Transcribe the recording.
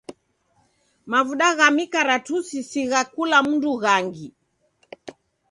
Mavuda gha mikaratusi si gha kula mndu ghangi.